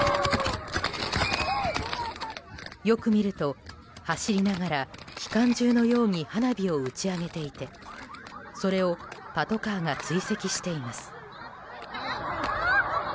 よく見ると走りながら機関銃のように花火を打ち上げていてそれをパトカーが追跡しています。